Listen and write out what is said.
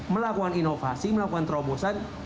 melakukan inovasi melakukan terobosan